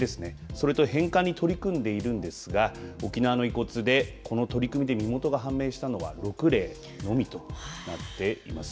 それと返還に取り組んでいるんですが沖縄の遺骨で、この取り組みで身元が判明したのは６例のみとなっています。